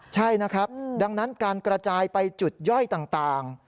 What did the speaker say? ใช่นะครับดังนั้นการกระจายไปจุดย่อยต่าง